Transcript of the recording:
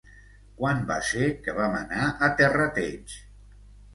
Quan va ser que vam anar a Terrateig?